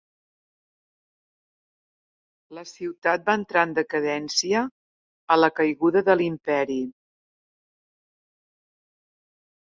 La ciutat va entrar en decadència a la caiguda de l'Imperi.